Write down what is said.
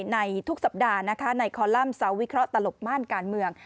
ในทุกสัปดาห์นะคะในคอลัมปเซาวิเคราะห์ตลกม่านการเมือง